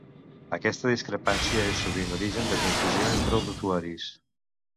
Aquesta discrepància és sovint origen de confusió entre els usuaris.